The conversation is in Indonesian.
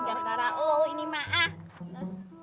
berarti ini maaf